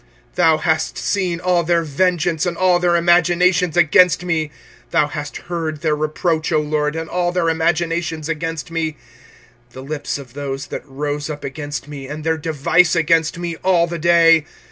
25:003:060 Thou hast seen all their vengeance and all their imaginations against me. 25:003:061 Thou hast heard their reproach, O LORD, and all their imaginations against me; 25:003:062 The lips of those that rose up against me, and their device against me all the day.